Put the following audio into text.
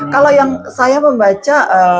kalau yang saya membaca